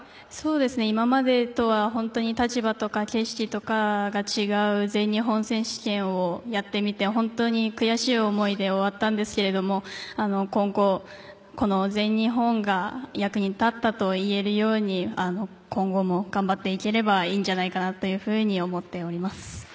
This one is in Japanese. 今までとは立場とか景色とかが違う全日本選手権をやってみて本当に悔しい思いで終わったんですけど今後、この全日本が役に立ったと言えるように今後も頑張っていければいいんじゃないかと思います。